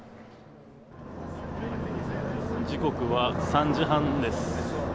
時刻は３時半です。